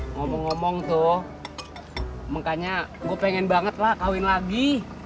ngomong ngomong tuh makanya gue pengen banget lah kawin lagi